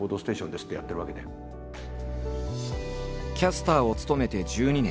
キャスターを務めて１２年。